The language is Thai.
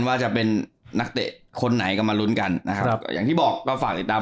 ว่าจะเป็นนักเตะคนไหนก็มาลุ้นกันนะครับก็อย่างที่บอกก็ฝากติดตาม